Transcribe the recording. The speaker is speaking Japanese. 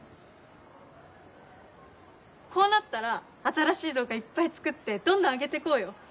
こうなったら新しい動画いっぱい作ってどんどん上げてこうよ。